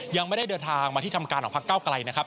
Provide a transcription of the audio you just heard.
ยังไม่ได้เดินทางมาที่ทำการของพักเก้าไกลนะครับ